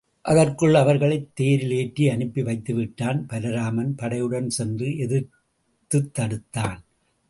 அதற்குள் அவர்களைத் தேரில் ஏற்றி அனுப்பி வைத்து விட்டான், பலராமன் படையுடன் சென்று எதிர்த்துத் தடுத்தான்.